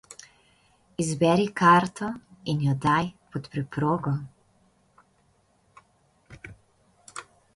Izberi karto in jo daj pod preprogo.